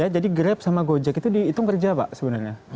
jadi grab sama gojek itu dihitung kerja pak sebenarnya